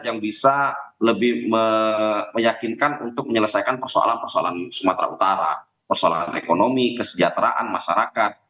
yang bisa lebih meyakinkan untuk menyelesaikan persoalan persoalan sumatera utara persoalan ekonomi kesejahteraan masyarakat